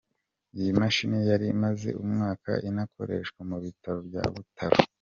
Iyi mashini yari imaze umwaka inakoreshwa mu bitaro bya Butaro.